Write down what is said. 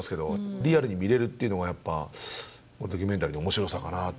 リアルに見れるっていうのがやっぱドキュメンタリーの面白さかなっていう。